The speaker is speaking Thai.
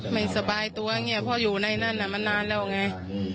ไม่สบายตัวเพราะอยู่ในนั้นมันนานแล้วไง